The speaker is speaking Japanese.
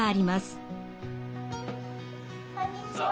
こんにちは。